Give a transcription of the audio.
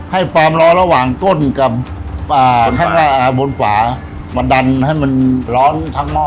ให้ความร้อนระหว่างต้นกับบนฝามาดันให้มันร้อนทั้งหม้อ